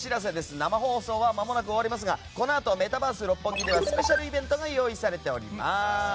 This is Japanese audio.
生放送はまもなく終わりますがこのあとメタバース六本木ではスペシャルイベントが用意されています。